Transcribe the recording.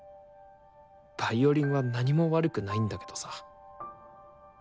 ヴァイオリンは何も悪くないんだけどさ。